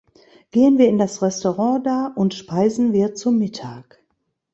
Gehen wir in das Restaurant da und speisen wir zu Mittag.